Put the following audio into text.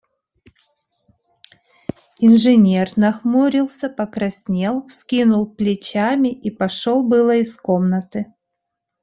Инженер нахмурился, покраснел, вскинул плечами и пошел было из комнаты.